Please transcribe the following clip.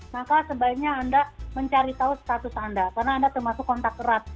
maka sebaiknya anda mencari tahu status anda karena anda termasuk kontak erat